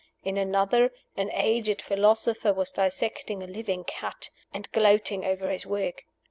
In another, an aged philosopher was dissecting a living cat, and gloating over his work.